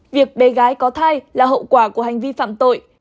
việc bé gái có thai là hậu quả của hành vi phạm tội